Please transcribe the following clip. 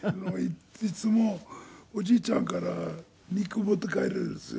いつもおじいちゃんから肉持って帰れるんですよ。